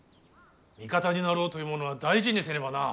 味方になろうという者は大事にせねばな。